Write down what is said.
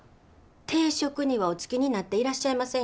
定職にはお就きになっていらっしゃいませんよね。